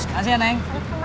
makasih ya neng